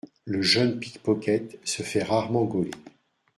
Le jeune pickpocket se fait rarement gauler.